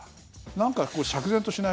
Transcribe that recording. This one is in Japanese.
なんか釈然としない。